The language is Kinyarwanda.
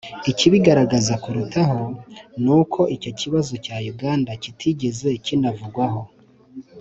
ikibigaragaza kurutaho ni uko icyo kibazo cya uganda kitigeze kinavugwaho